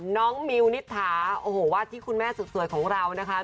น้องมิวนิท้าวาดที่คุณแม่สวยของเรานะคะ